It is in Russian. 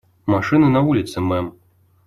Машина на улице, мэм.